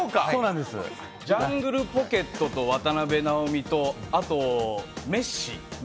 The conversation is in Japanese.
ジャングルポケットと渡辺直美とあとメッシ。